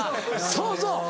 そうそう。